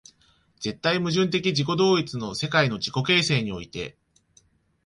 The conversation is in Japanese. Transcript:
絶対矛盾的自己同一の世界の自己形成において、